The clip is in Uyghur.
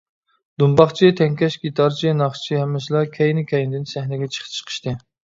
دۇمباقچى، تەڭكەش گىتارچى، ناخشىچى ھەممىسىلا كەينى-كەينىدىن سەھنىگە چىقىشتى.